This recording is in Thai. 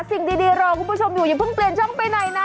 สิ่งดีรอคุณผู้ชมอยู่อย่าเพิ่งเปลี่ยนช่องไปไหนนะ